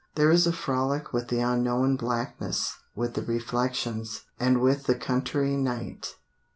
There is a frolic with the unknown blackness, with the reflections, and with the country night.